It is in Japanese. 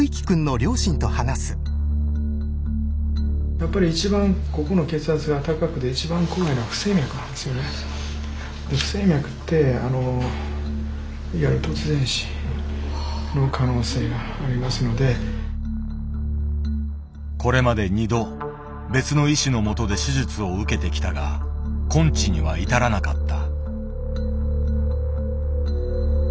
やっぱりいちばんこれまで２度別の医師のもとで手術を受けてきたが根治には至らなかった。